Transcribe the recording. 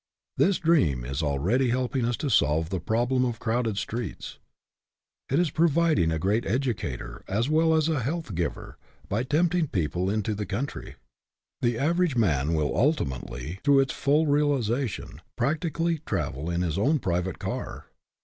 This dream is already helping us to solve the problem of crowded streets. It is prov ing a great educator, as well as a health giver, by tempting people into the country. The average man will ultimately, through its full realization, practically travel in his own private car.